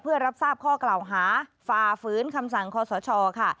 เพื่อรับทราบข้อกล่าวหาฝ่าฝืนคำสั่งคอสชค่ะ